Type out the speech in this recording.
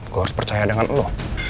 gua harus percaya dengan lu